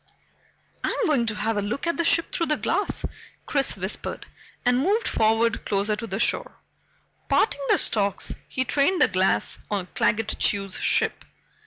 "I'm going to have a look at the ship through the glass," Chris whispered, and moved forward closer to the shore. Parting the stalks, he trained the glass on Claggett Chew's ship.